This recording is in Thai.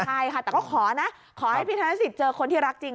ใช่ค่ะแต่ก็ขอนะขอให้พี่ธนสิทธิเจอคนที่รักจริง